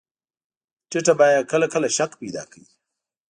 ټیټه بیه کله کله شک پیدا کوي.